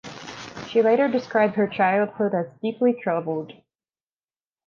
She later described her childhood as deeply troubled.